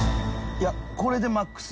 いやこれでマックス。